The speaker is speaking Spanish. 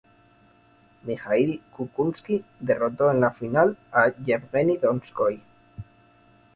Mijaíl Kukushkin derrotó en la final a Yevgueni Donskói.